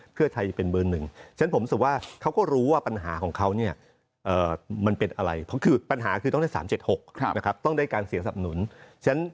เพราะก็มีว่าที่ระยะได้๓คน